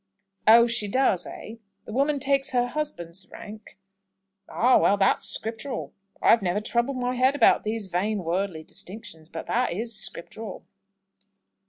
"Oh, she does, eh? The woman takes her husband's rank? Ah! well, that's script'ral. I have never troubled my head about these vain worldly distinctions; but that is script'ral."